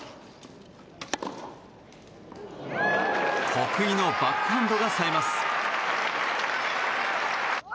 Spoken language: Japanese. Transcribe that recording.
得意のバックハンドがさえます。